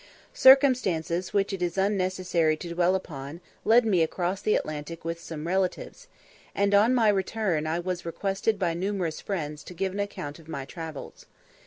Circumstances which it is unnecessary to dwell upon led me across the Atlantic with some relatives; and on my return, I was requested by numerous friends to give an account of my travels.